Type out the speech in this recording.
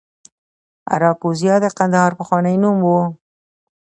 اراکوزیا د کندهار پخوانی نوم و